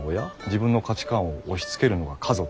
自分の価値観を押しつけるのが家族？